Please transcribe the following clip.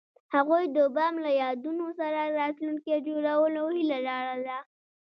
هغوی د بام له یادونو سره راتلونکی جوړولو هیله لرله.